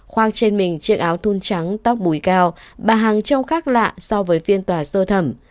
khoác trên mình chiếc áo thun trắng tóc bùi cao bà hằng trông khác lạ so với phiên tòa xơ thẩm